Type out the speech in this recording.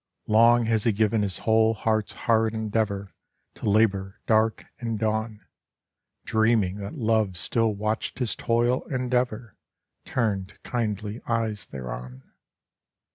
Long has he given his whole heart's hard endeavor To labor, dark and dawn, Dreaming that Love still watched his toil and ever Turned kindly eyes thereon.